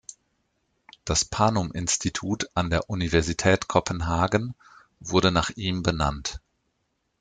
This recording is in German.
Das Panum-Institut an der Universität Kopenhagen wurde nach ihm benannt.